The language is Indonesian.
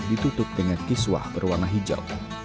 ditutup dengan kiswah berwarna hijau